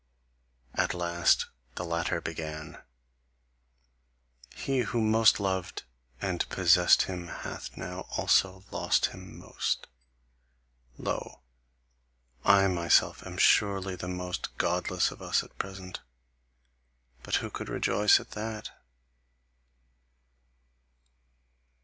At last the latter began: "He who most loved and possessed him hath now also lost him most : Lo, I myself am surely the most godless of us at present? But who could rejoice at that!"